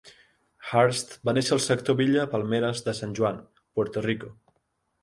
Hurst va néixer al sector Villa Palmeras de San Juan, Puerto Rico.